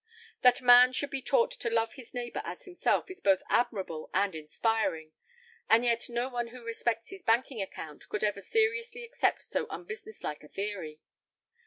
That man should be taught to love his neighbor as himself is both admirable and inspiring, and yet no one who respects his banking account could ever seriously accept so unbusiness like a theory.